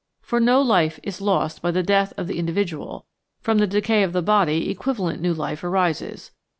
For no life is lost by the death of the indi vidual; from the decay of the body equivalent new life arises.